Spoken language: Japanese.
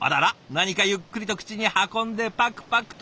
何かゆっくりと口に運んでパクパクと。